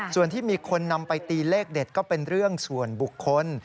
ส่วนที่มีคนนำไปตีเลขเด็ดก็เป็นเรื่องส่วนบุคคล